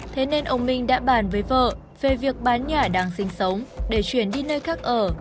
thế nên ông minh đã bàn với vợ về việc bán nhà đang sinh sống để chuyển đi nơi khác ở